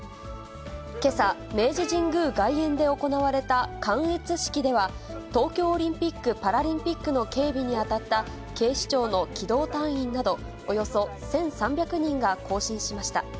けさ、明治神宮外苑で行われた観閲式では、東京オリンピック・パラリンピックの警備に当たった警視庁の機動隊員などおよそ１３００人が行進しました。